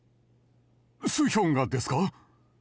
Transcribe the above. スヒョンがですか？